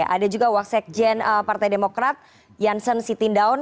ada juga waksek jen partai demokrat janssen sitindaun